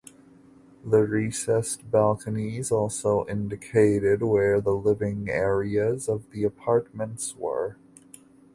The recessed balconies also indicated where the living areas of the apartments were.